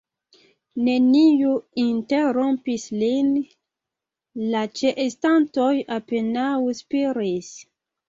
Neniu interrompis lin; la ĉeestantoj apenaŭ spiris.